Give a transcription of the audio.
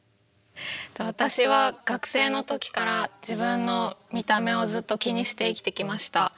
私は学生の時から自分の見た目をずっと気にして生きてきました。